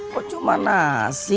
kok cuma nasi